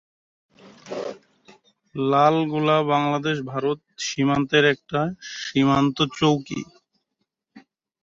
লালগোলা বাংলাদেশ-ভারত সীমান্তের একটি সীমান্ত চৌকি।